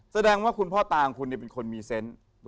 แสดงว่าคุณพ่อตาของคุณเป็นคนมีเซนต์